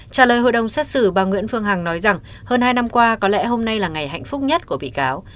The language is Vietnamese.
trả lời hội đồng xét xử bà nguyễn phương hằng nói rằng hơn hai năm qua có lẽ hôm nay là ngày hạnh phúc nhất của bị cáo